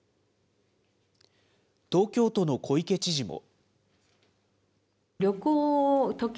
東京都の小池知事も。